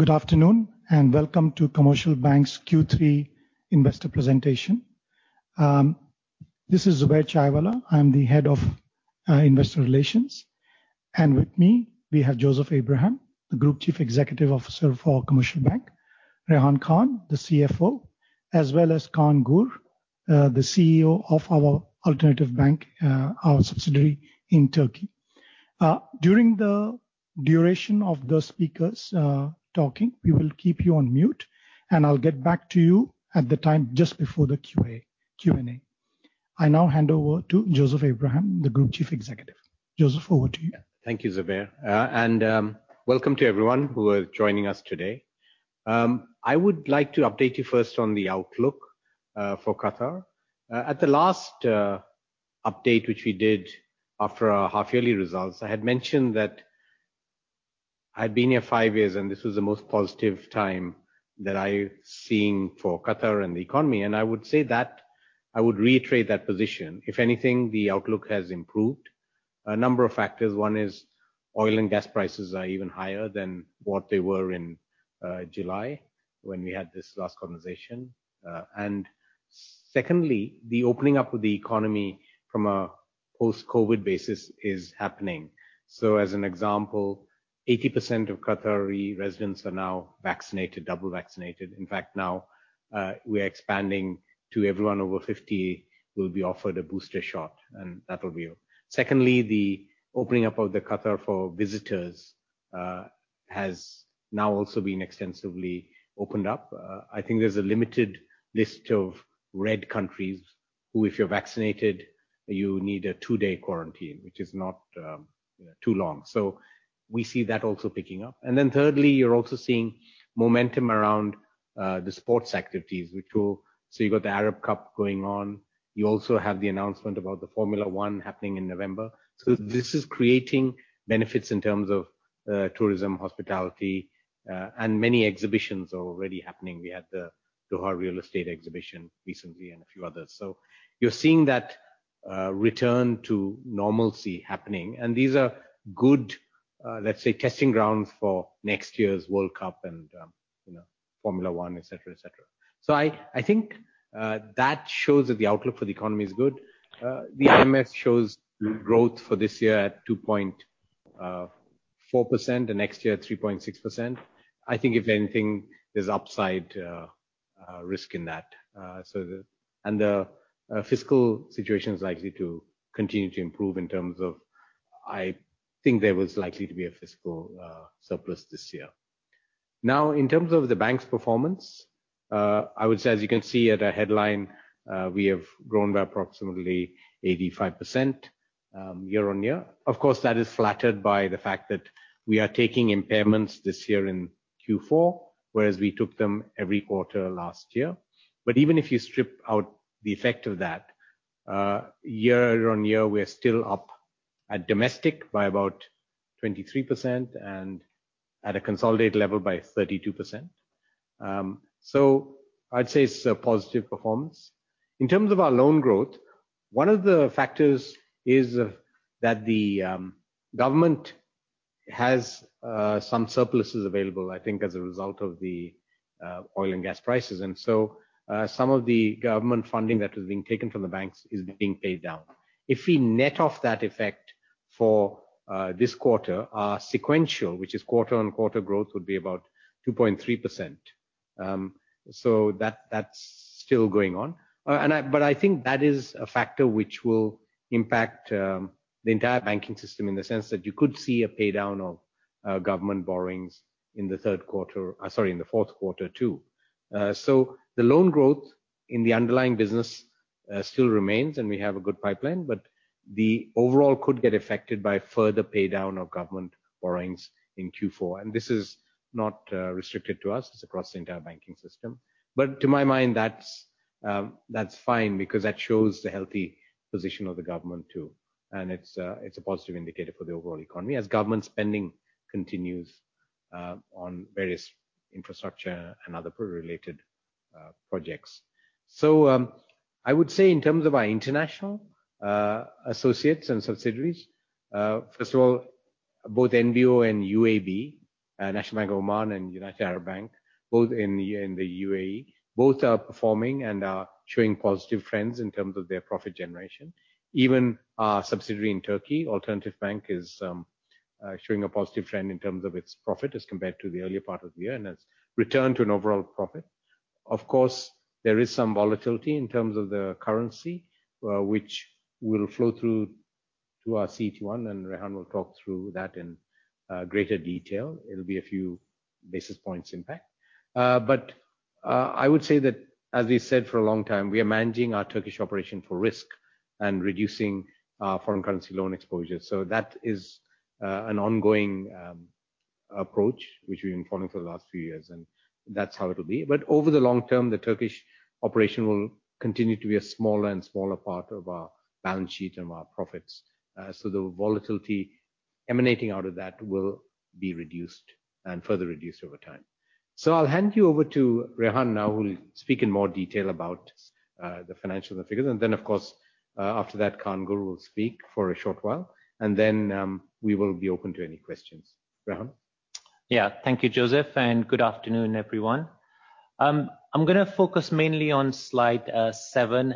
Good afternoon, and welcome to The Commercial Bank's Q3 investor presentation. This is Zubair Chaiwalla. I am the Head of Investor Relations. And with me, we have Joseph Abraham, Group Chief Executive Officer, The Commercial Bank; Rehan Khan, Chief Financial Officer; as well as Kaan Gur, CEO, Alternatif Bank, our subsidiary in Turkey. During the duration of the speakers talking, we will keep you on mute, and I will get back to you at the time just before the Q&A. I now hand over to Joseph Abraham, the Group Chief Executive. Joseph, over to you. Thank you, Zubair. Welcome to everyone who are joining us today. I would like to update you first on the outlook for Qatar. At the last update, which we did after our half-yearly results, I had mentioned that I had been here five years, and this was the most positive time that I have seen for Qatar and the economy, and I would say that I would reiterate that position. If anything, the outlook has improved. A number of factors. One is oil and gas prices are even higher than what they were in July, when we had this last conversation. Secondly, the opening up of the economy from a post-COVID basis is happening. As an example, 80% of Qatari residents are now double vaccinated. In fact, now we are expanding to everyone over 50 will be offered a booster shot, and that will be. Secondly, the opening up of Qatar for visitors has now also been extensively opened up. I think there is a limited list of red countries who, if you are vaccinated, you need a two-day quarantine, which is not too long. We see that also picking up. Thirdly, you are also seeing momentum around the sports activities, which will. You got the FIFA Arab Cup going on. You also have the announcement about the Formula 1 happening in November. This is creating benefits in terms of tourism, hospitality. Many exhibitions are already happening. We had the Cityscape Qatar recently and a few others. You are seeing that return to normalcy happening, and these are good, let's say, testing grounds for next year's FIFA World Cup and Formula 1, et cetera. I think that shows that the outlook for the economy is good. The IMF shows growth for this year at 2.4% and next year at 3.6%. I think, if anything, there is upside risk in that. The fiscal situation is likely to continue to improve in terms of, I think, there was likely to be a fiscal surplus this year. Now, in terms of the bank's performance, I would say, as you can see at a headline, we have grown by approximately 85% year-on-year. Of course, that is flattered by the fact that we are taking impairments this year in Q4, whereas we took them every quarter last year. Even if you strip out the effect of that, year-on-year, we are still up at domestic by about 23% and at a consolidated level by 32%. I would say it is a positive performance. In terms of our loan growth, one of the factors is that the government has some surpluses available, I think, as a result of the oil and gas prices. Some of the government funding that was being taken from the banks is being paid down. If we net off that effect for this quarter, our sequential, which is quarter-on-quarter growth, would be about 2.3%. That's still going on. I think that is a factor which will impact the entire banking system in the sense that you could see a paydown of government borrowings in the fourth quarter, too. The loan growth in the underlying business still remains, and we have a good pipeline, but the overall could get affected by further paydown of government borrowings in Q4. This is not restricted to us. It's across the entire banking system. To my mind, that's fine because that shows the healthy position of the government too, and it's a positive indicator for the overall economy as government spending continues on various infrastructure and other pro-related projects. I would say in terms of our international associates and subsidiaries, first of all, both NBO and UAB, National Bank of Oman and United Arab Bank, both in the U.A.E., both are performing and are showing positive trends in terms of their profit generation. Even our subsidiary in Turkey, Alternatif Bank, is showing a positive trend in terms of its profit as compared to the earlier part of the year, and it's returned to an overall profit. Of course, there is some volatility in terms of the currency, which will flow through to our CET1, and Rehan will talk through that in greater detail. It'll be a few basis points impact. I would say that, as we said for a long time, we are managing our Turkish operation for risk and reducing our foreign currency loan exposure. That is an ongoing approach, which we've been following for the last few years, and that's how it'll be. Over the long term, the Turkish operation will continue to be a smaller and smaller part of our balance sheet and our profits. The volatility emanating out of that will be reduced and further reduced over time. I'll hand you over to Rehan now, who will speak in more detail about the financial and the figures. Then, of course, after that, Kaan Gur will speak for a short while, and then we will be open to any questions. Rehan? Thank you, Joseph, and good afternoon, everyone. I'm going to focus mainly on slide seven.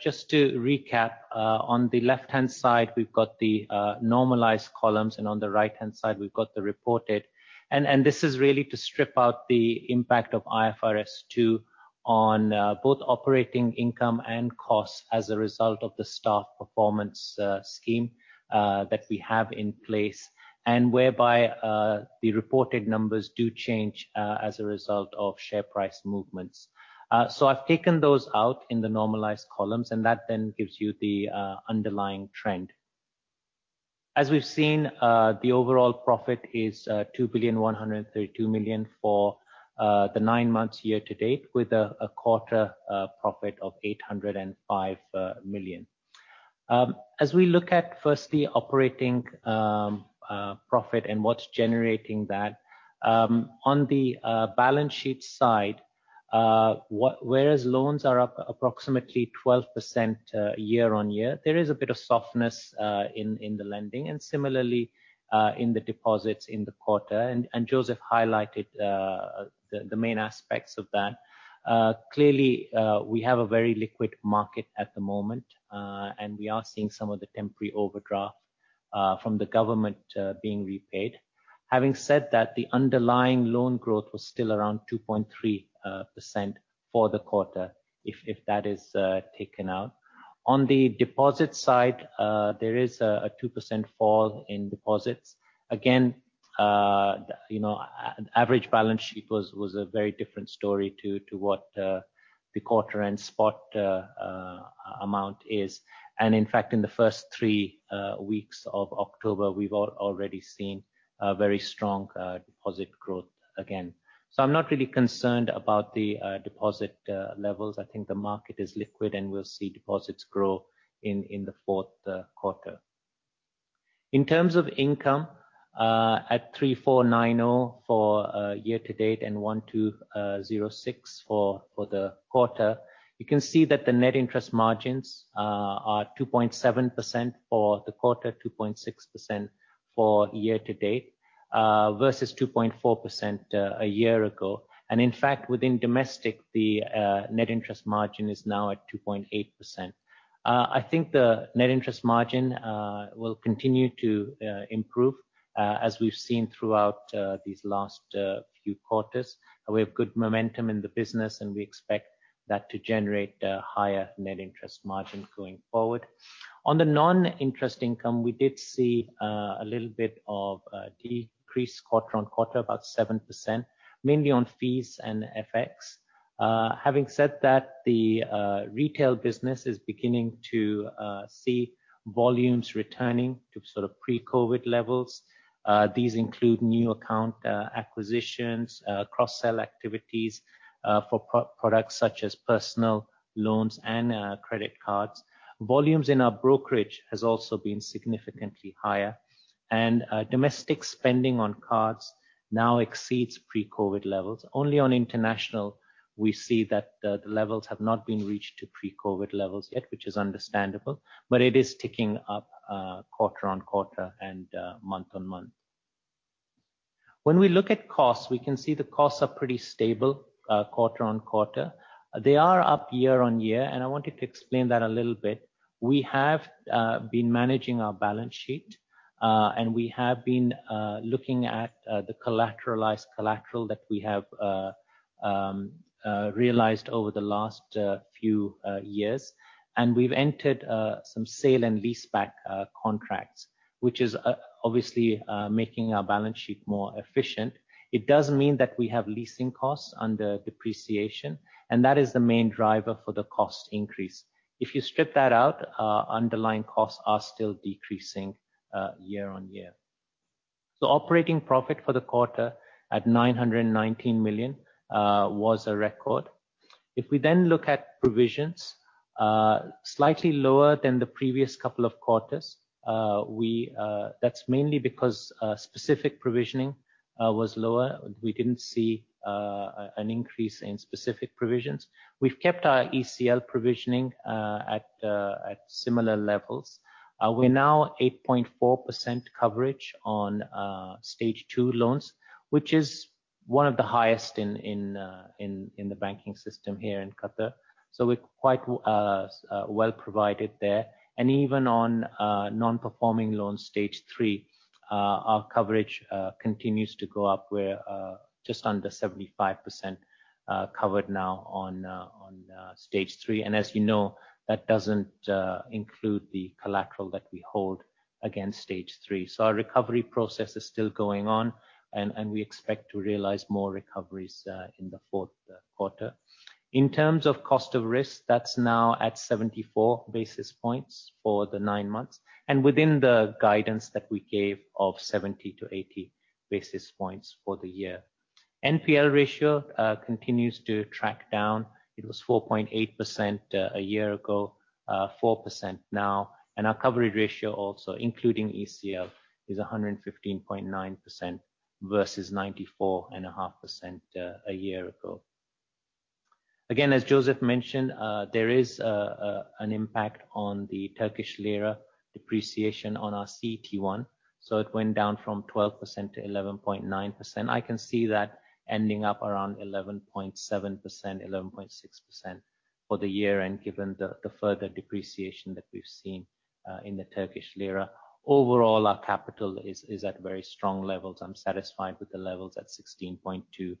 Just to recap, on the left-hand side, we've got the normalized columns, and on the right-hand side, we've got the reported. This is really to strip out the impact of IFRS 2 on both operating income and costs as a result of the staff performance scheme that we have in place, and whereby the reported numbers do change as a result of share price movements. I've taken those out in the normalized columns, and that then gives you the underlying trend. As we've seen, the overall profit is 2.132 billion for the nine months year-to-date, with a quarter profit of 805 million. As we look at, firstly, operating profit and what is generating that, on the balance sheet side, whereas loans are up approximately 12% year-on-year, there is a bit of softness in the lending and similarly, in the deposits in the quarter. Joseph highlighted the main aspects of that. Clearly, we have a very liquid market at the moment, and we are seeing some of the temporary overdraft from the government being repaid. Having said that, the underlying loan growth was still around 2.3% for the quarter, if that is taken out. On the deposit side, there is a 2% fall in deposits. Again, average balance sheet was a very different story to what the quarter and spot amount is. In fact, in the first three weeks of October, we've already seen very strong deposit growth again. I'm not really concerned about the deposit levels. I think the market is liquid, and we'll see deposits grow in the fourth quarter. In terms of income, at 3,490 for year-to-date and 1,206 for the quarter, you can see that the Net Interest Margins are 2.7% for the quarter, 2.6% for year-to-date versus 2.4% a year ago. In fact, within domestic, the Net Interest Margin is now at 2.8%. I think the Net Interest Margin will continue to improve, as we've seen throughout these last few quarters. We have good momentum in the business, and we expect that to generate a higher Net Interest Margin going forward. On the non-interest income, we did see a little bit of decrease quarter-on-quarter, about 7%, mainly on fees and FX. Having said that, the retail business is beginning to see volumes returning to pre-COVID levels. These include new account acquisitions, cross-sell activities for products such as personal loans and credit cards. Volumes in our brokerage has also been significantly higher, and domestic spending on cards now exceeds pre-COVID levels. Only on international we see that the levels have not been reached to pre-COVID levels yet, which is understandable, but it is ticking up quarter-on-quarter and month-on-month. When we look at costs, we can see the costs are pretty stable quarter-on-quarter. They are up year-on-year, and I wanted to explain that a little bit. We have been managing our balance sheet, and we have been looking at the collateralized collateral that we have realized over the last few years. We've entered some sale and leaseback contracts, which is obviously making our balance sheet more efficient. It does mean that we have leasing costs under depreciation, and that is the main driver for the cost increase. If you strip that out, underlying costs are still decreasing year-on-year. Operating profit for the quarter at 919 million was a record. If we then look at provisions, slightly lower than the previous couple of quarters. That's mainly because specific provisioning was lower. We didn't see an increase in specific provisions. We've kept our ECL provisioning at similar levels. We're now at 8.4% coverage on Stage 2 loans, which is one of the highest in the banking system here in Qatar. We're quite well provided there. Even on non-performing loans Stage 3, our coverage continues to go up. We're just under 75% covered now on Stage 3. As you know, that doesn't include the collateral that we hold against Stage 3. Our recovery process is still going on, and we expect to realize more recoveries in the fourth quarter. In terms of cost of risk, that is now at 74 basis points for the nine months and within the guidance that we gave of 70 to 80 basis points for the year. NPL ratio continues to track down. It was 4.8% a year ago, 4% now. Our coverage ratio also, including ECL, is 115.9% versus 94.5% a year ago. Again, as Joseph Abraham mentioned, there is an impact on the Turkish lira depreciation on our CET1. It went down from 12% to 11.9%. I can see that ending up around 11.7%, 11.6% for the year and given the further depreciation that we have seen in the Turkish lira. Overall, our capital is at very strong levels. I am satisfied with the levels at 16.2%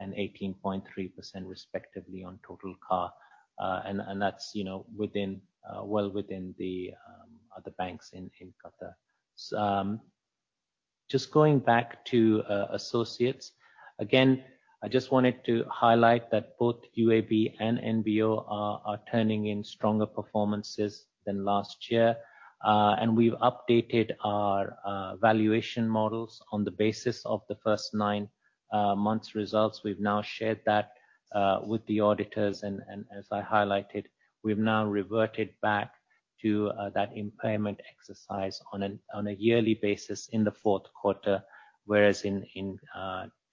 and 18.3% respectively on total CAR. That is well within the other banks in Qatar. Just going back to associates. Again, I just wanted to highlight that both UAB and NBO are turning in stronger performances than last year. We have updated our valuation models on the basis of the first nine months results. We have now shared that with the auditors, and as I highlighted, we have now reverted back to that impairment exercise on a yearly basis in the fourth quarter, whereas in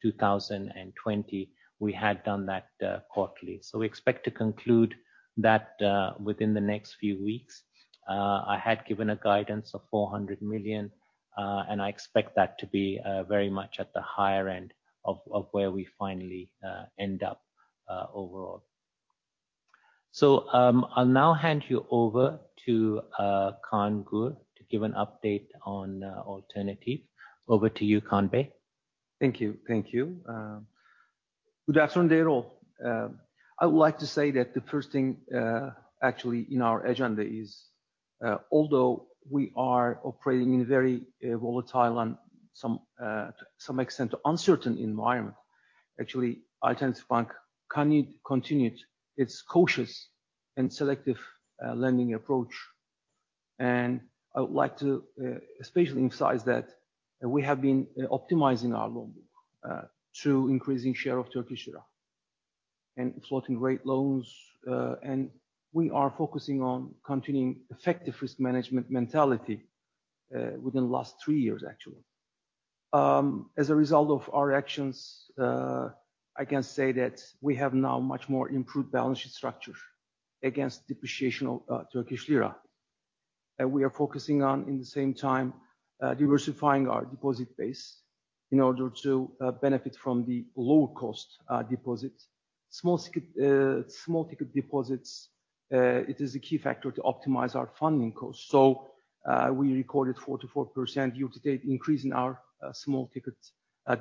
2020, we had done that quarterly. We expect to conclude that within the next few weeks. I had given a guidance of 400 million, and I expect that to be very much at the higher end of where we finally end up overall. I will now hand you over to Kaan Gür to give an update on Alternatif Bank. Over to you, Kaan Bey. Thank you. Good afternoon to you all. I would like to say that the first thing actually in our agenda is, although we are operating in a very volatile and to some extent, uncertain environment, actually, Alternatif Bank continued its cautious and selective lending approach. I would like to especially emphasize that we have been optimizing our loan book through increasing share of Turkish lira and floating-rate loans. We are focusing on continuing effective risk management mentality within the last three years, actually. As a result of our actions, I can say that we have now much more improved balance sheet structure against depreciation of Turkish lira. We are focusing on, at the same time, diversifying our deposit base in order to benefit from the lower cost deposits. Small ticket deposits, it is a key factor to optimize our funding cost. We recorded 44% year-to-date increase in our small ticket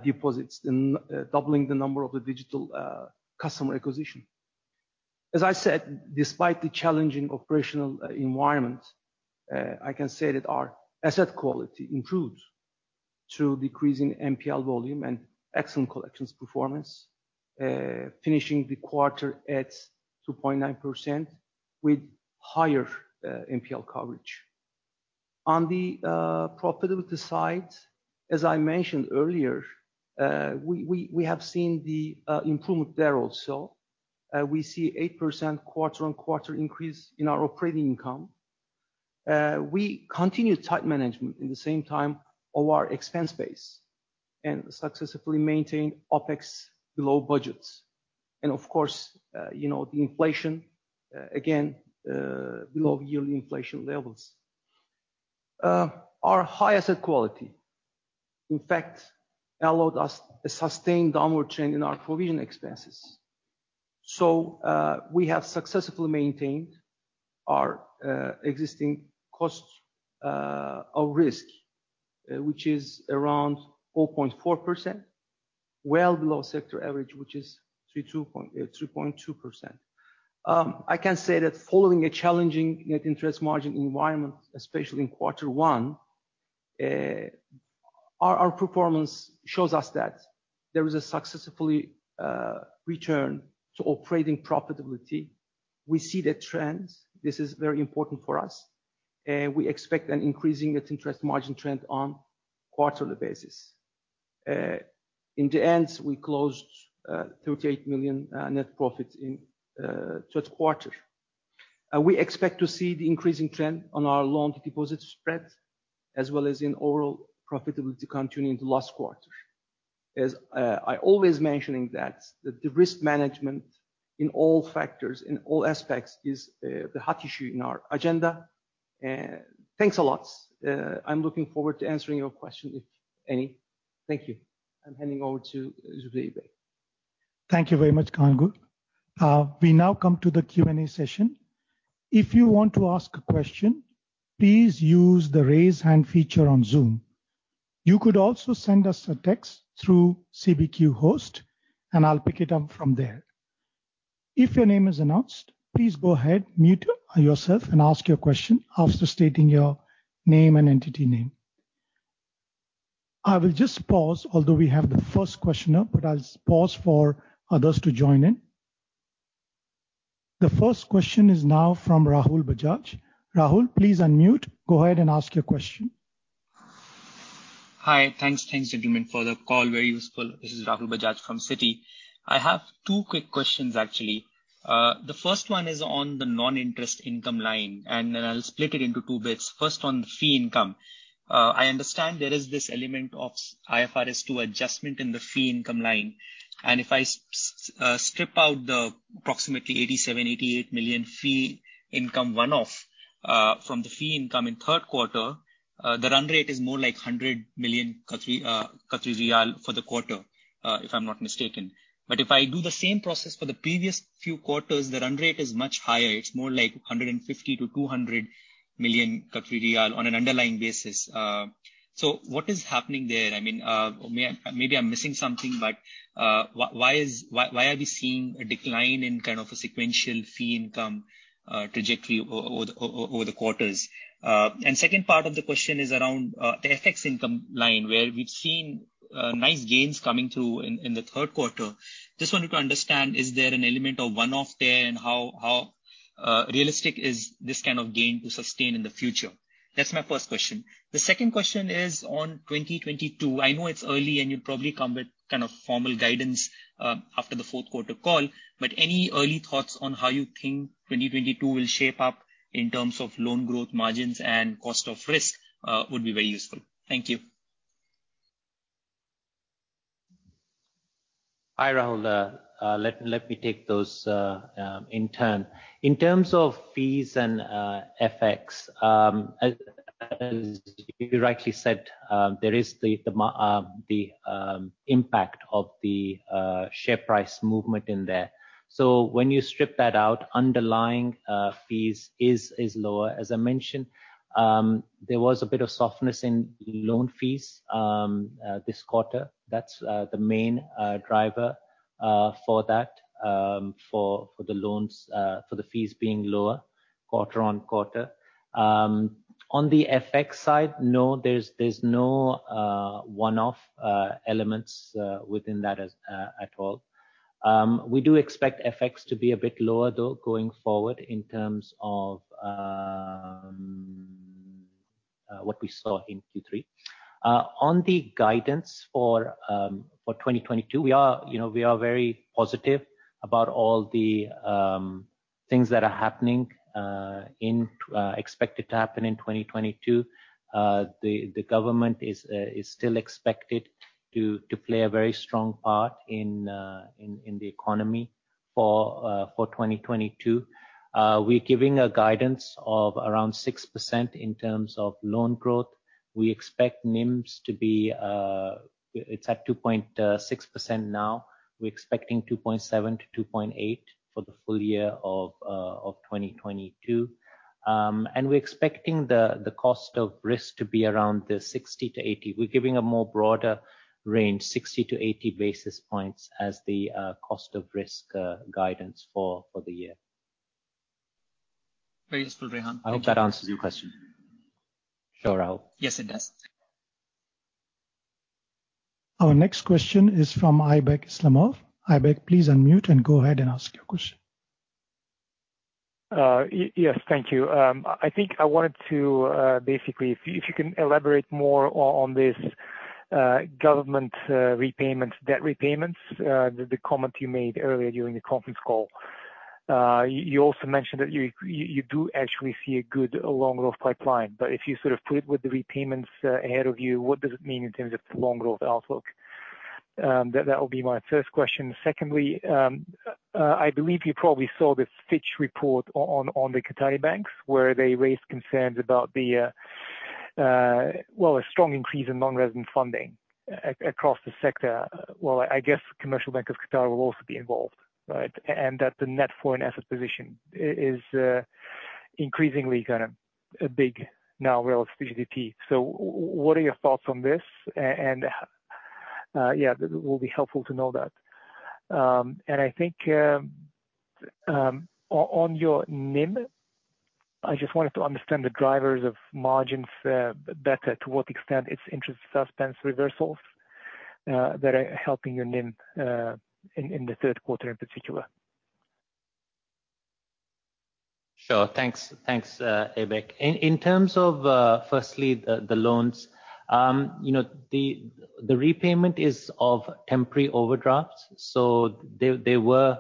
deposits and doubling the number of the digital customer acquisition. As I said, despite the challenging operational environment, I can say that our asset quality improved through decreasing NPL volume and excellent collections performance, finishing the quarter at 2.9% with higher NPL coverage. On the profitability side, as I mentioned earlier, we have seen the improvement there also. We see 8% quarter-on-quarter increase in our operating income. We continue tight management at the same time of our expense base and successfully maintain OpEx below budgets. Of course, the inflation, again, below yearly inflation levels. Our high asset quality, in fact, allowed us a sustained downward trend in our provision expenses. We have successfully maintained our existing cost of risk, which is around 0.4%, well below sector average, which is 3.2%. I can say that following a challenging Net Interest Margin environment, especially in quarter 1, our performance shows us that there is a successfully return to operating profitability. We see the trends. This is very important for us, and we expect an increasing Net Interest Margin trend on quarterly basis. In the end, we closed 38 million net profits in third quarter. We expect to see the increasing trend on our Loan-to-Deposit spread, as well as in overall profitability continuing into last quarter. As I always mentioning that, the risk management in all factors, in all aspects is the hot issue in our agenda. Thanks a lot. I am looking forward to answering your question, if any. Thank you. I am handing over to Joseph Abraham. Thank you very much, Kaan Gür. We now come to the Q&A session. If you want to ask a question, please use the raise hand feature on Zoom. You could also send us a text through CBQ Host, and I will pick it up from there. If your name is announced, please go ahead, mute yourself and ask your question after stating your name and entity name. I will just pause, although we have the first questioner, but I will pause for others to join in. The first question is now from Rahul Bajaj. Rahul, please unmute. Go ahead and ask your question. Hi. Thanks, gentlemen, for the call. Very useful. This is Rahul Bajaj from Citi. I have two quick questions, actually. First one is on the non-interest income line, and I will split it into two bits. First, on the fee income. I understand there is this element of IFRS 2 adjustment in the fee income line. If I strip out the approximately 87 million, 88 million fee income one-off from the fee income in third quarter, the run rate is more like 100 million for the quarter, if I am not mistaken. But if I do the same process for the previous few quarters, the run rate is much higher. It is more like 150 million-200 million riyal on an underlying basis. So what is happening there? Maybe I am missing something, but why are we seeing a decline in a sequential fee income trajectory over the quarters? Second part of the question is around the FX income line, where we have seen nice gains coming through in the third quarter. Just wanted to understand, is there an element of one-off there, and how realistic is this kind of gain to sustain in the future? That is my first question. The second question is on 2022. I know it is early, and you will probably come with kind of formal guidance after the fourth quarter call, but any early thoughts on how you think 2022 will shape up in terms of loan growth margins and cost of risk would be very useful. Thank you. Hi, Rahul. Let me take those in turn. In terms of fees and FX, as you rightly said, there is the impact of the share price movement in there. When you strip that out, underlying fees is lower. As I mentioned, there was a bit of softness in loan fees this quarter. That's the main driver for that, for the fees being lower quarter-on-quarter. On the FX side, no, there's no one-off elements within that at all. We do expect FX to be a bit lower, though, going forward in terms of what we saw in Q3. On the guidance for 2022, we are very positive about all the things that are expected to happen in 2022. The government is still expected to play a very strong part in the economy for 2022. We're giving a guidance of around 6% in terms of loan growth. It's at 2.6% now. We're expecting 2.7%-2.8% for the full year of 2022. We're expecting the cost of risk to be around the 60-80. We're giving a more broader range, 60-80 basis points, as the cost of risk guidance for the year. Very useful, Rehan. Thank you. I hope that answers your question. Sure, Rahul? Yes, it does. Our next question is from Aybek Islamov. Aybek, please unmute and go ahead and ask your question. Yes, thank you. I think I wanted to basically, if you can elaborate more on this government debt repayments, the comment you made earlier during the conference call. You also mentioned that you do actually see a good loan growth pipeline. If you sort of put it with the repayments ahead of you, what does it mean in terms of the loan growth outlook? That will be my first question. Secondly, I believe you probably saw this Fitch report on the Qatari banks where they raised concerns about a strong increase in non-resident funding across the sector. Well, I guess Commercial Bank of Qatar will also be involved, right? That the net foreign asset position is increasingly kind of big now, relatively. What are your thoughts on this? Yeah, it will be helpful to know that. I think on your NIM, I just wanted to understand the drivers of margins better, to what extent it's interest suspense reversals that are helping your NIM in the third quarter in particular. Sure. Thanks, Aibek. In terms of, firstly, the loans. The repayment is of temporary overdrafts, so they were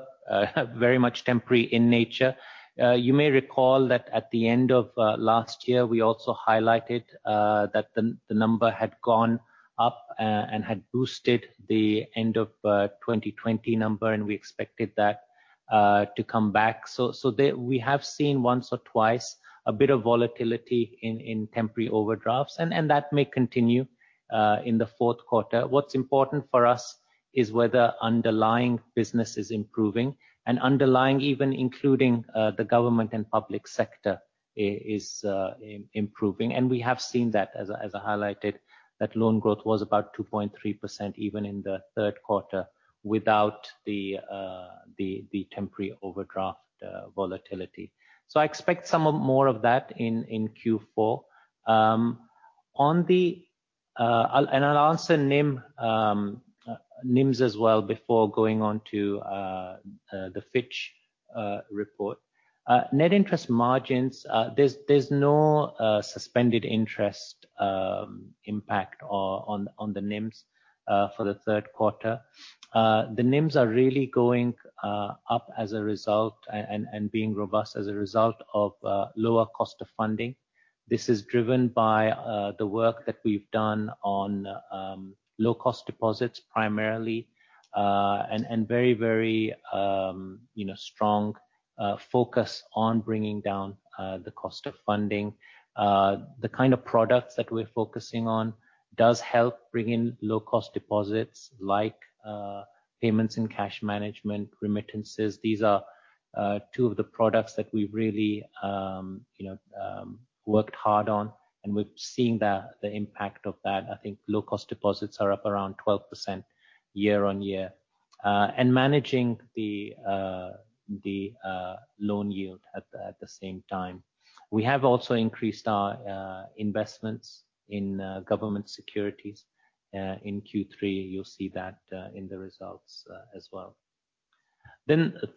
very much temporary in nature. You may recall that at the end of last year, we also highlighted that the number had gone up and had boosted the end of 2020 number, and we expected that to come back. We have seen once or twice a bit of volatility in temporary overdrafts, and that may continue in the fourth quarter. What's important for us is whether underlying business is improving and underlying, even including the government and public sector, is improving. We have seen that, as I highlighted, that loan growth was about 2.3% even in the third quarter without the temporary overdraft volatility. I expect some more of that in Q4. I'll answer NIMs as well before going on to the Fitch report. Net interest margins, there's no suspended interest impact on the NIMs for the third quarter. The NIMs are really going up and being robust as a result of lower cost of funding. This is driven by the work that we've done on low-cost deposits primarily, and very strong focus on bringing down the cost of funding. The kind of products that we're focusing on does help bring in low-cost deposits like payments and cash management remittances. These are two of the products that we've really worked hard on, and we're seeing the impact of that. I think low-cost deposits are up around 12% year-on-year. Managing the loan yield at the same time. We have also increased our investments in government securities in Q3. You'll see that in the results as well.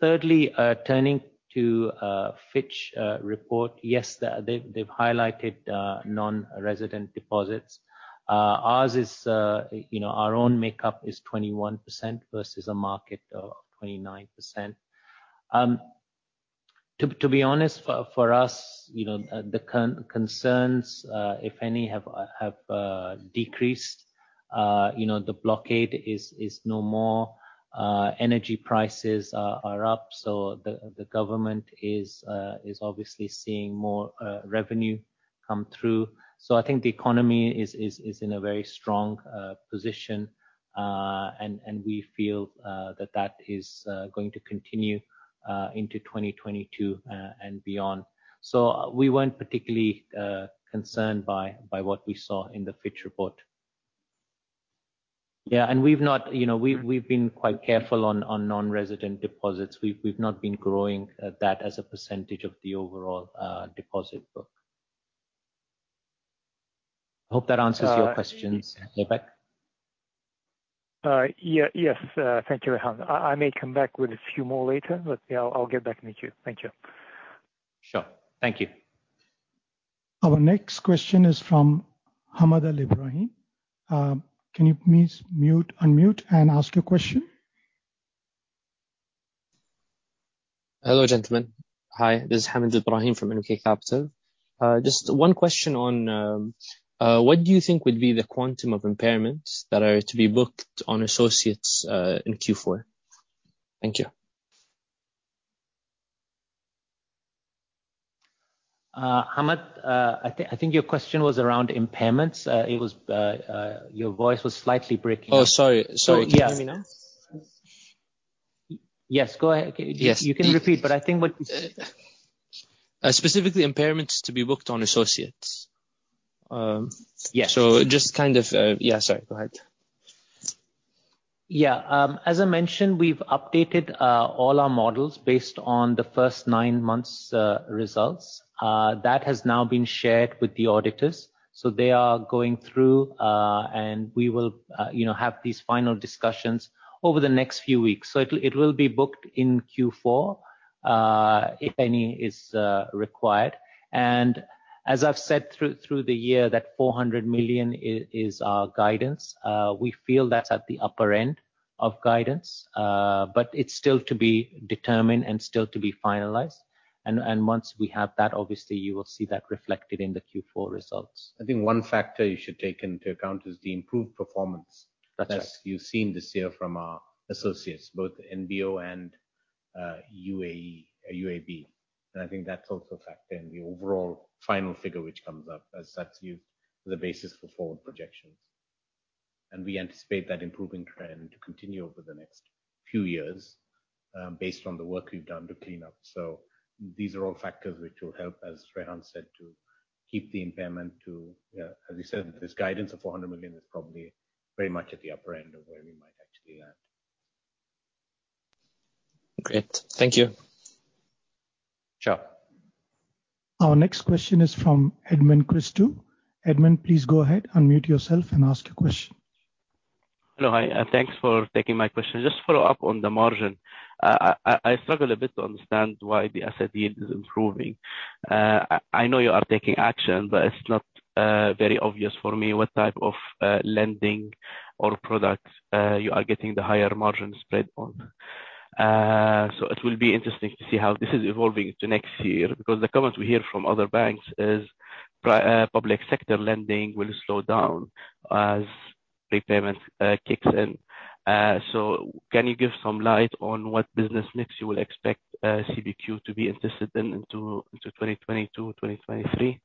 Thirdly, turning to Fitch report. Yes, they've highlighted non-resident deposits. Our own makeup is 21% versus a market of 29%. To be honest, for us, the concerns, if any, have decreased. The blockade is no more. Energy prices are up, so the government is obviously seeing more revenue come through. I think the economy is in a very strong position, and we feel that that is going to continue into 2022 and beyond. We weren't particularly concerned by what we saw in the Fitch report. Yeah, we've been quite careful on non-resident deposits. We've not been growing that as a percentage of the overall deposit book. Hope that answers your questions, Aibek. Yes. Thank you, Rehan. I may come back with a few more later, but I'll get back with you. Thank you. Sure. Thank you. Our next question is from Hamad Al Ibrahim. Can you please unmute and ask your question? Hello, gentlemen. Hi, this is Hamad Al Ibrahim from NBK Capital. Just one question on, what do you think would be the quantum of impairments that are to be booked on associates in Q4? Thank you. Hamad, I think your question was around impairments. Your voice was slightly breaking. Oh, sorry. Can you hear me now? Yes, go ahead. Yes. You can repeat, but I think what you said. Specifically, impairments to be booked on associates. Yes. just kind of Yeah, sorry. Go ahead. Yeah. As I mentioned, we've updated all our models based on the first nine months results. That has now been shared with the auditors. They are going through, and we will have these final discussions over the next few weeks. It will be booked in Q4, if any is required. As I've said through the year, that 400 million is our guidance. We feel that's at the upper end of guidance. It's still to be determined and still to be finalized. Once we have that, obviously you will see that reflected in the Q4 results. I think one factor you should take into account is the improved performance- That's right as you've seen this year from our associates, both NBO and UAB. I think that's also a factor in the overall final figure which comes up, as that's used as the basis for forward projections. We anticipate that improving trend to continue over the next few years, based on the work we've done to clean up. These are all factors which will help, as Rehan said, to keep the impairment to, as you said, this guidance of 400 million is probably very much at the upper end of where we might actually end. Great. Thank you. Sure. Our next question is from Edmund Christou. Edmund, please go ahead, unmute yourself and ask your question. Hello. Hi. Thanks for taking my question. Just follow up on the margin. I struggle a bit to understand why the asset yield is improving. I know you are taking action, but it's not very obvious for me what type of lending or products you are getting the higher margin spread on. It will be interesting to see how this is evolving into next year, because the comments we hear from other banks is public sector lending will slow down as prepayment kicks in. Can you give some light on what business mix you will expect CBQ to be interested in into 2022, 2023?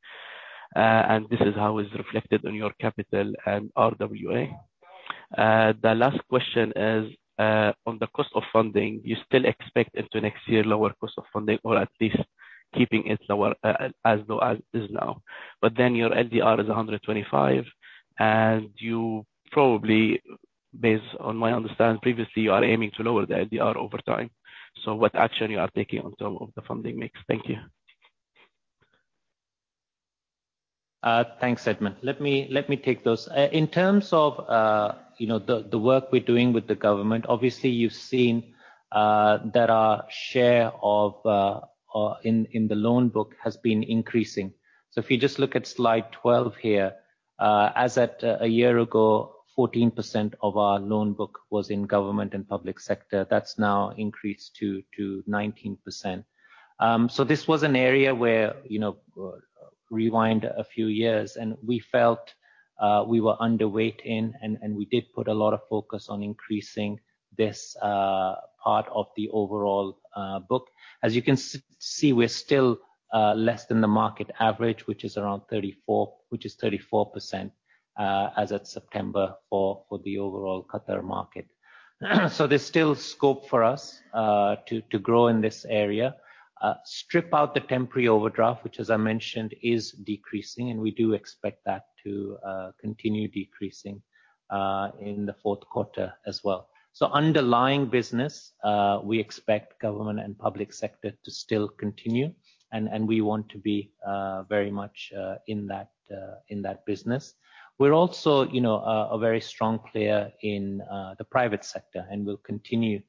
This is how it's reflected on your capital and RWA. The last question is, on the cost of funding, do you still expect into next year lower cost of funding or at least keeping it as low as it is now? Your LDR is 125, and you probably, based on my understanding previously, you are aiming to lower the LDR over time. What action you are taking in terms of the funding mix? Thank you. Thanks, Edmund. Let me take those. In terms of the work we're doing with the government, obviously you've seen that our share in the loan book has been increasing. If you just look at slide 12 here As at a year ago, 14% of our loan book was in government and public sector. That's now increased to 19%. This was an area where, rewind a few years, and we felt we were underweight in, and we did put a lot of focus on increasing this part of the overall book. As you can see, we're still less than the market average, which is 34% as at September for the overall Qatar market. There's still scope for us to grow in this area. Strip out the temporary overdraft, which as I mentioned, is decreasing, and we do expect that to continue decreasing in the fourth quarter as well. Underlying business, we expect government and public sector to still continue, and we want to be very much in that business. We're also a very strong player in the private sector, and we'll continue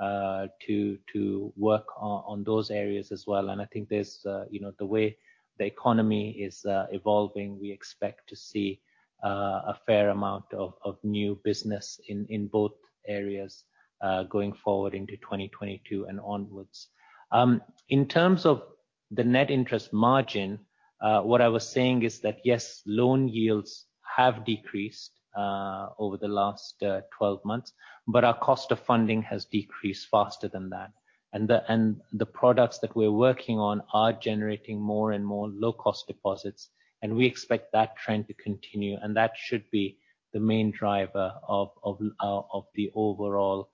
to work on those areas as well. I think the way the economy is evolving, we expect to see a fair amount of new business in both areas, going forward into 2022 and onwards. In terms of the Net Interest Margin, what I was saying is that, yes, loan yields have decreased over the last 12 months, our cost of funding has decreased faster than that. The products that we're working on are generating more and more low-cost deposits, and we expect that trend to continue. That should be the main driver of the overall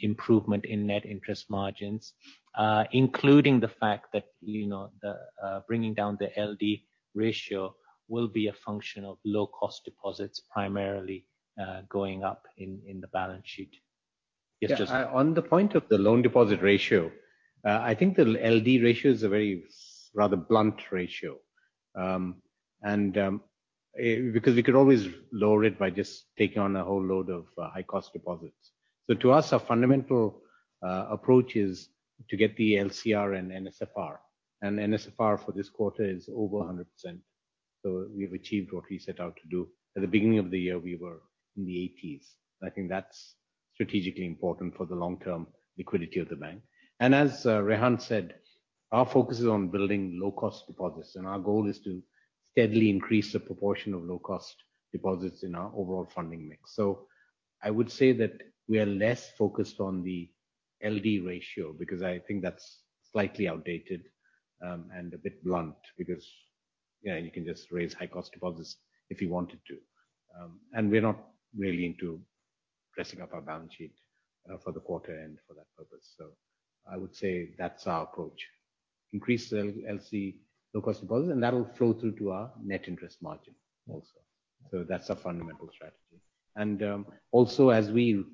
improvement in Net Interest Margins, including the fact that bringing down the Loan-to-Deposit ratio will be a function of low-cost deposits, primarily, going up in the balance sheet. On the point of the Loan-to-Deposit ratio, I think the Loan-to-Deposit ratio is a very rather blunt ratio, because we could always lower it by just taking on a whole load of high cost deposits. To us, our fundamental approach is to get the LCR and NSFR. NSFR for this quarter is over 100%. We've achieved what we set out to do. At the beginning of the year, we were in the 80s. I think that's strategically important for the long-term liquidity of the bank. As Rehan said, our focus is on building low-cost deposits, and our goal is to steadily increase the proportion of low-cost deposits in our overall funding mix. I would say that we are less focused on the Loan-to-Deposit ratio, because I think that's slightly outdated, and a bit blunt because you can just raise high cost deposits if you wanted to. We're not really into dressing up our balance sheet for the quarter and for that purpose. I would say that's our approach. Increase low cost deposits, and that'll flow through to our Net Interest Margin also. That's our fundamental strategy. Also, as we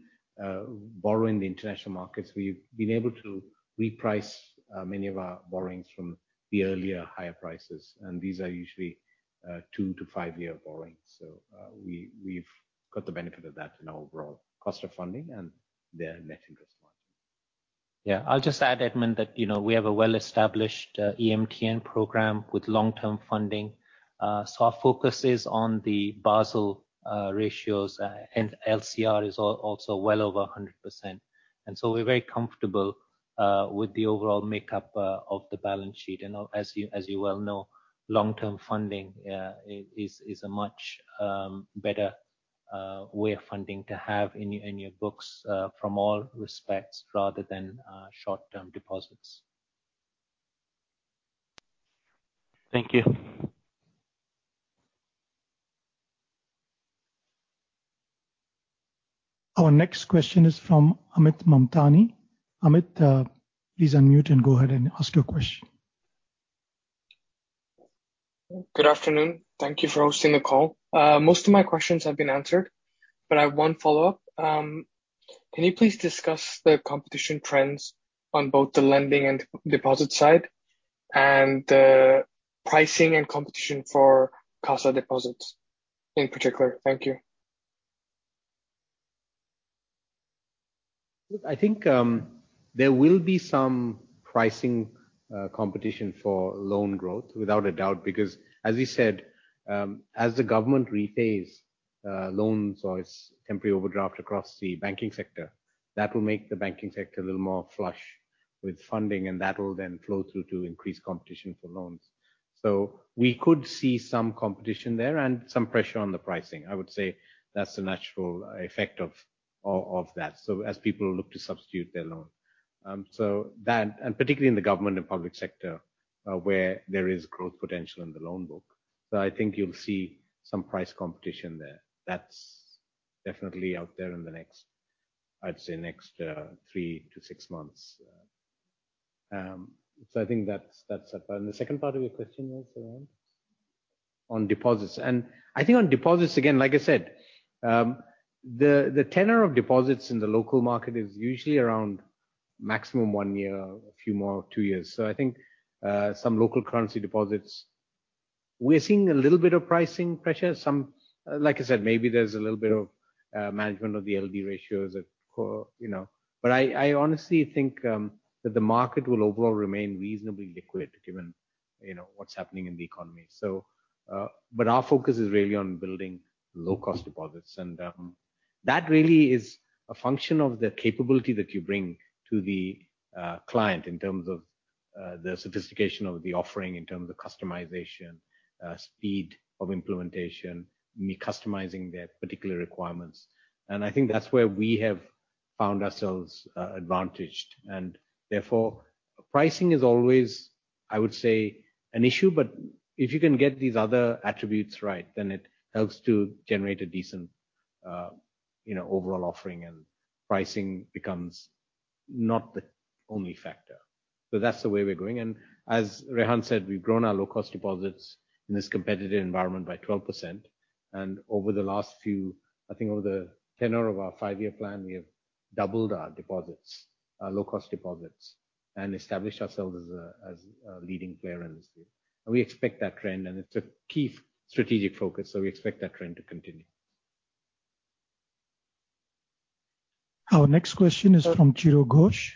borrow in the international markets, we've been able to reprice many of our borrowings from the earlier higher prices, and these are usually 2 to 5-year borrowings. We've got the benefit of that in our overall cost of funding and the Net Interest Margin. Yeah. I'll just add, Edmund, that we have a well-established EMTN program with long-term funding. Our focus is on the Basel ratios, LCR is also well over 100%. We're very comfortable with the overall makeup of the balance sheet. As you well know, long-term funding is a much better way of funding to have in your books, from all respects, rather than short-term deposits. Thank you. Our next question is from Amit Mamtani. Amit, please unmute and go ahead and ask your question. Good afternoon. Thank you for hosting the call. Most of my questions have been answered. I have one follow-up. Can you please discuss the competition trends on both the lending and deposits side, and the pricing and competition for CASA deposits in particular? Thank you. Look, I think there will be some pricing competition for loan growth, without a doubt, because as we said, as the government rephases loan size temporary overdraft across the banking sector, that will make the banking sector a little more flush with funding, and that will then flow through to increased competition for loans. We could see some competition there and some pressure on the pricing. I would say that's the natural effect of that. As people look to substitute their loan. Particularly in the government and public sector, where there is growth potential in the loan book. I think you'll see some price competition there. That's definitely out there in the next, I'd say, three to six months. I think that's it. The second part of your question was, Rehan? On deposits. I think on deposits, again, like I said, the tenor of deposits in the local market is usually around maximum one year, a few more, two years. I think some local currency deposits, we're seeing a little bit of pricing pressure. Like I said, maybe there's a little bit of Management of the LD ratios are core. I honestly think that the market will overall remain reasonably liquid given what's happening in the economy. Our focus is really on building low-cost deposits. That really is a function of the capability that you bring to the client in terms of the sophistication of the offering, in terms of customization, speed of implementation, me customizing their particular requirements. I think that's where we have found ourselves advantaged. Therefore, pricing is always, I would say, an issue, but if you can get these other attributes right, then it helps to generate a decent overall offering, and pricing becomes not the only factor. That's the way we're going. As Rehan said, we've grown our low-cost deposits in this competitive environment by 12%. Over the last few, I think over the tenure of our five-year plan, we have doubled our deposits, our low-cost deposits, and established ourselves as a leading player in this field. We expect that trend, and it's a key strategic focus. We expect that trend to continue. Our next question is from Chiro Ghosh.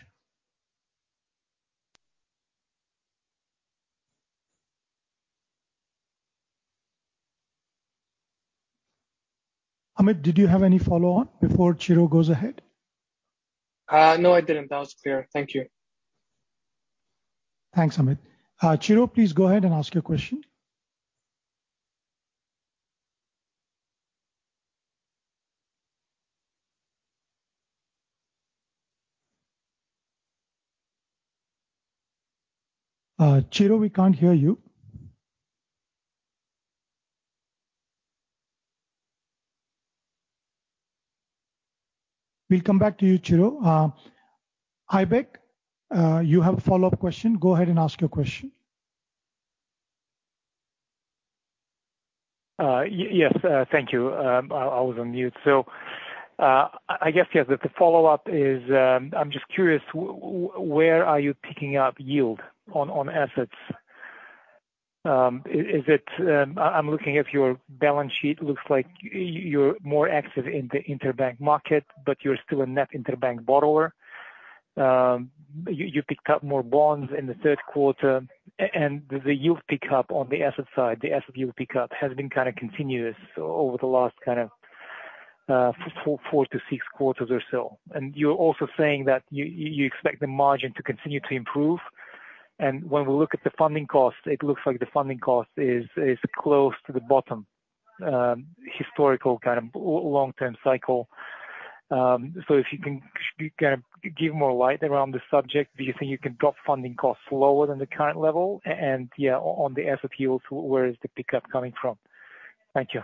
Amit, did you have any follow on before Ciro goes ahead? No, I didn't. That was clear. Thank you. Thanks, Amit. Ciro, please go ahead and ask your question. Ciro, we can't hear you. We'll come back to you, Ciro. Aybek, you have a follow-up question. Go ahead and ask your question. Yes. Thank you. I was on mute. I guess, yeah, the follow-up is, I am just curious, where are you picking up yield on assets? I am looking at your balance sheet. Looks like you are more active in the interbank market, but you are still a net interbank borrower. You picked up more bonds in the third quarter, the yield pickup on the asset side, the asset yield pickup, has been kind of continuous over the last four to six quarters or so. You are also saying that you expect the margin to continue to improve. When we look at the funding cost, it looks like the funding cost is close to the bottom historical kind of long-term cycle. If you can give more light around the subject. Do you think you can drop funding costs lower than the current level? Yeah, on the asset yields, where is the pickup coming from? Thank you.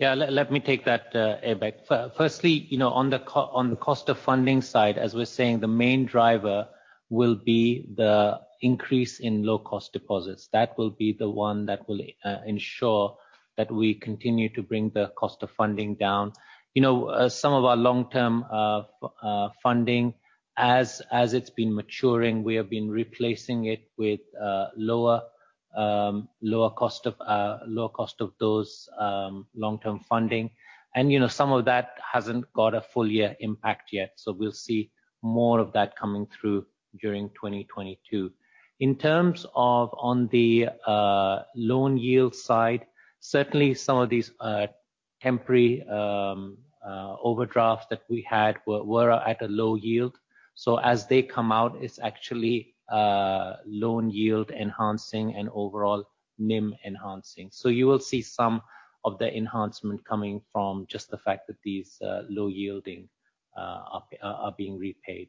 Let me take that, Aybek. Firstly, on the cost of funding side, as we are saying, the main driver will be the increase in low-cost deposits. That will be the one that will ensure that we continue to bring the cost of funding down. Some of our long-term funding, as it is been maturing, we have been replacing it with lower cost of those long-term funding. Some of that has not got a full year impact yet. We will see more of that coming through during 2022. In terms of on the loan yield side, certainly some of these temporary overdrafts that we had were at a low yield. As they come out, it is actually loan yield enhancing and overall NIM enhancing. You will see some of the enhancement coming from just the fact that these low yielding are being repaid.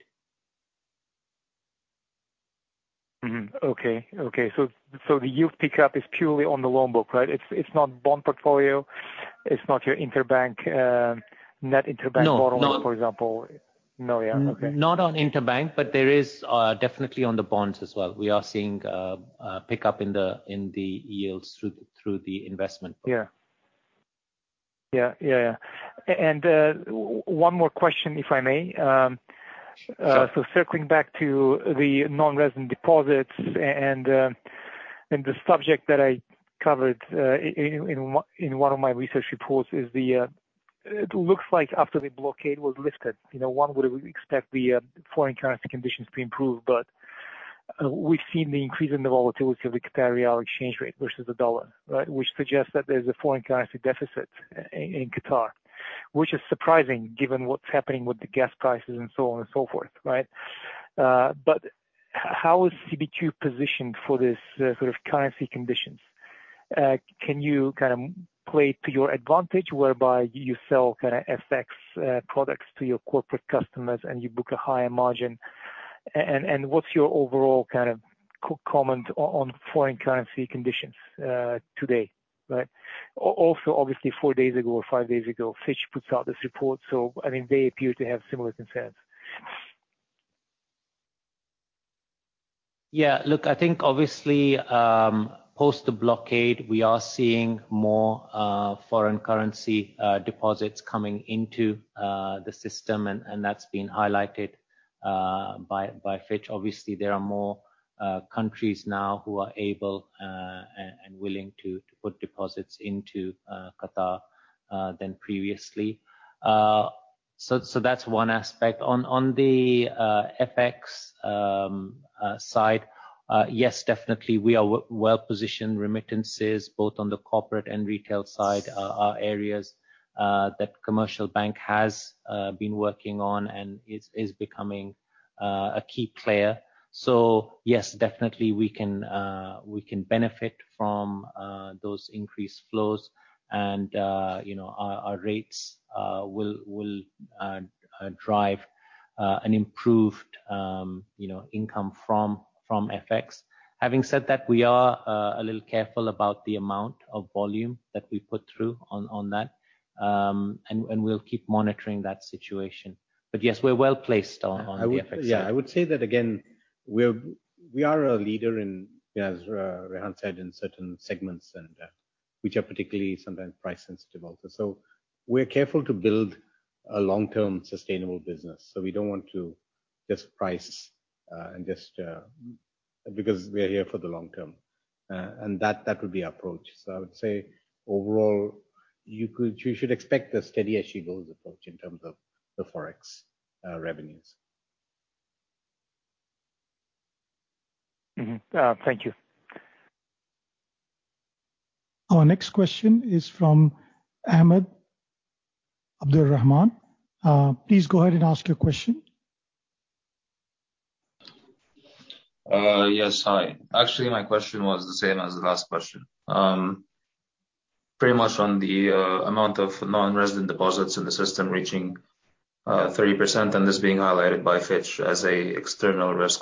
Okay. The yield pickup is purely on the loan book, right? It is not bond portfolio, it is not your interbank- No net interbank borrowing, for example. No, yeah. Okay. Not on interbank, there is definitely on the bonds as well. We are seeing a pickup in the yields through the investment portfolio. Yeah. One more question, if I may. Sure. Circling back to the non-resident deposits and the subject that I covered in one of my research reports is, it looks like after the blockade was lifted, one would expect the foreign currency conditions to improve, but we've seen the increase in the volatility of the Qatari riyal exchange rate versus the U.S. dollar, right? Which suggests that there's a foreign currency deficit in Qatar, which is surprising given what's happening with the gas prices and so on and so forth, right? How is CBQ positioned for this sort of currency conditions? Can you play to your advantage whereby you sell kind of FX products to your corporate customers and you book a higher margin? What's your overall kind of comment on foreign currency conditions today, right? Obviously, four days ago or five days ago, Fitch puts out this report. I mean, they appear to have similar concerns. I think obviously, post the blockade, we are seeing more foreign currency deposits coming into the system, and that's been highlighted By Fitch, obviously, there are more countries now who are able and willing to put deposits into Qatar than previously. That's one aspect. On the FX side, yes, definitely, we are well-positioned. Remittances, both on the corporate and retail side, are areas that Commercial Bank has been working on and is becoming a key player. Yes, definitely, we can benefit from those increased flows and our rates will drive an improved income from FX. Having said that, we are a little careful about the amount of volume that we put through on that, and we'll keep monitoring that situation. Yes, we're well-placed on the FX side. I would say that, again, we are a leader in, as Rehan said, in certain segments, and which are particularly sometimes price sensitive also. We're careful to build a long-term sustainable business. We don't want to just price because we are here for the long term. That would be our approach. I would say, overall, you should expect a steady as she goes approach in terms of the Forex revenues. Mm-hmm. Thank you. Our next question is from Ahmed Abdulrahman. Please go ahead and ask your question. Yes, hi. Actually, my question was the same as the last question. Pretty much on the amount of non-resident deposits in the system reaching 30%, and this being highlighted by Fitch as an external risk.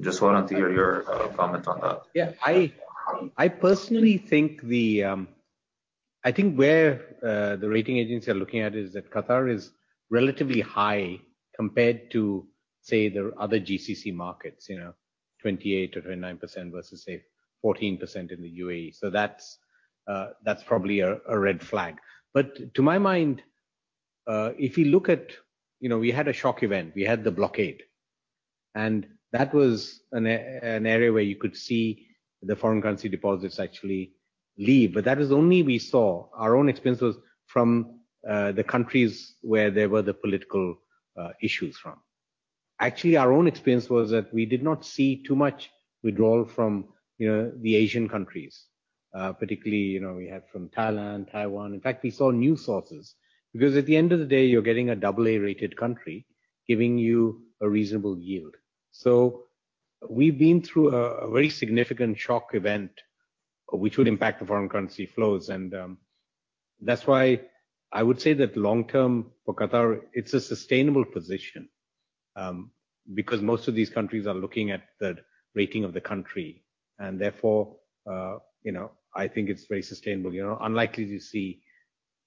Just wanted to hear your comment on that. I think where the rating agencies are looking at it is that Qatar is relatively high compared to, say, the other GCC markets, 28% or 29% versus, say, 14% in the UAE. To my mind, we had a shock event, we had the blockade, and that was an area where you could see the foreign currency deposits actually leave. That is only we saw. Our own experience was from the countries where there were the political issues from. Actually, our own experience was that we did not see too much withdrawal from the Asian countries. Particularly, we had from Thailand, Taiwan. In fact, we saw new sources, because at the end of the day, you're getting a double A-rated country giving you a reasonable yield. We've been through a very significant shock event which would impact the foreign currency flows. That's why I would say that long term for Qatar, it's a sustainable position. Most of these countries are looking at the rating of the country. Therefore, I think it's very sustainable. Unlikely to see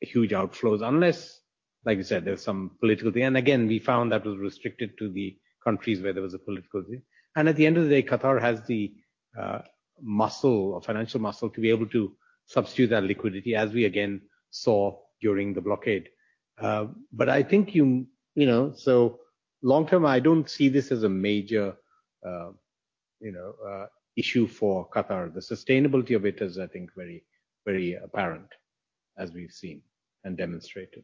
huge outflows unless, like you said, there's some political thing. Again, we found that was restricted to the countries where there was a political thing. At the end of the day, Qatar has the financial muscle to be able to substitute that liquidity, as we again saw during the blockade. Long term, I don't see this as a major issue for Qatar. The sustainability of it is, I think, very apparent, as we've seen and demonstrated.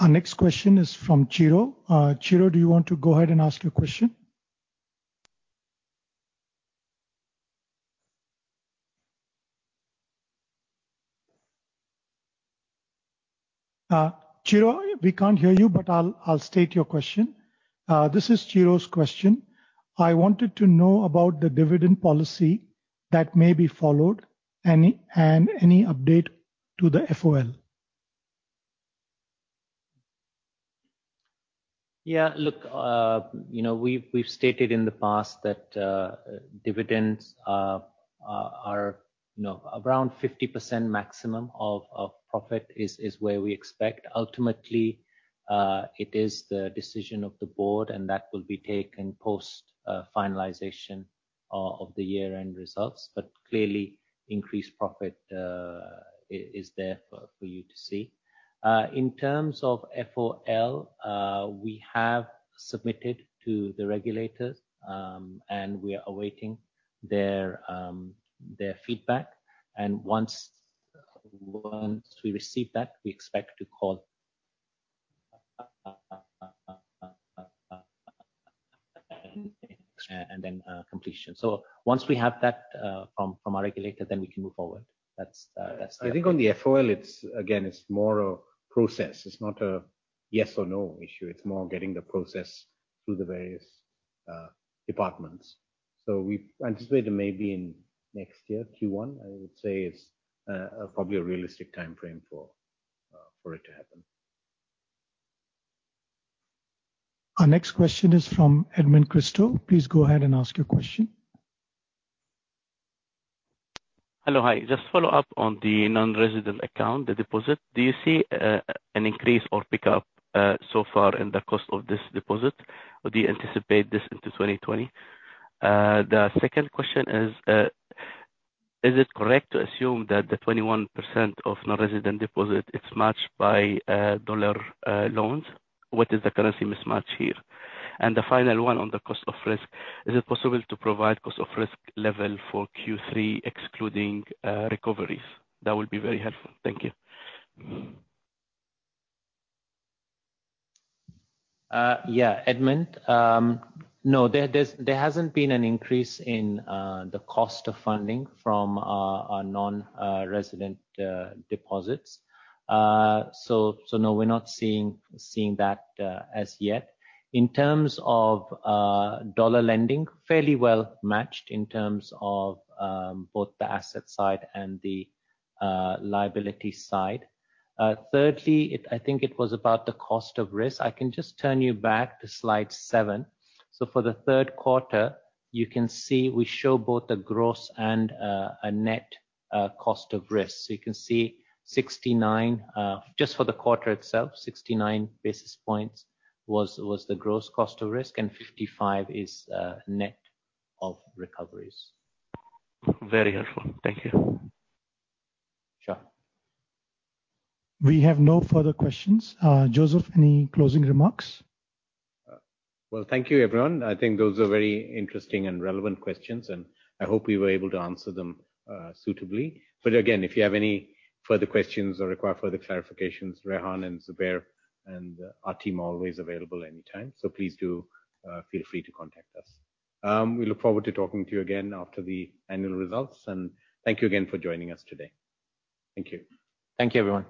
Our next question is from Chiro. Chiro, do you want to go ahead and ask your question? Chiro, we can't hear you, but I'll state your question. This is Chiro's question: I wanted to know about the dividend policy that may be followed, and any update to the FOL. We've stated in the past that dividends are around 50% maximum of profit is where we expect. Ultimately, it is the decision of the board. That will be taken post-finalization of the year-end results. Clearly, increased profit is there for you to see. In terms of FOL, we have submitted to the regulators. We are awaiting their feedback. Once we receive that, we expect to call and then completion. Once we have that from our regulator, then we can move forward. On the FOL, again, it's more a process. It's not a yes or no issue. It's more getting the process through the various departments. We anticipate it may be in next year, Q1. I would say is probably a realistic timeframe for it to happen. Our next question is from Edmund Christou. Please go ahead and ask your question. Hello, hi. Just follow up on the non-resident account, the deposit. Do you see an increase or pickup so far in the cost of this deposit, or do you anticipate this into 2020? The second question is: is it correct to assume that the 21% of non-resident deposit is matched by dollar loans? What is the currency mismatch here? The final one on the cost of risk, is it possible to provide cost of risk level for Q3, excluding recoveries? That would be very helpful. Thank you. Yeah, Edmund. No, there hasn't been an increase in the cost of funding from our non-resident deposits. No, we're not seeing that as yet. In terms of dollar lending, fairly well matched in terms of both the asset side and the liability side. Thirdly, I think it was about the cost of risk. I can just turn you back to slide seven. For the third quarter, you can see we show both the gross and a net cost of risk. You can see, just for the quarter itself, 69 basis points was the gross cost of risk, and 55 is net of recoveries. Very helpful. Thank you. Sure. We have no further questions. Joseph, any closing remarks? Thank you everyone. I think those are very interesting and relevant questions, and I hope we were able to answer them suitably. Again, if you have any further questions or require further clarifications, Rehan and Zubair and our team are always available anytime. Please do feel free to contact us. We look forward to talking to you again after the annual results, and thank you again for joining us today. Thank you. Thank you, everyone.